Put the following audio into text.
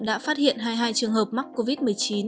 đã phát hiện hai mươi hai trường hợp mắc covid một mươi chín